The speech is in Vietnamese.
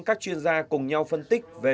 các chuyên gia cùng nhau phân tích về